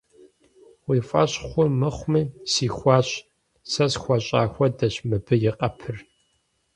- Уи фӏэщ хъу-мыхъуми, сихуащ. Сэ схуащӏа хуэдэщ мыбы и къэпыр.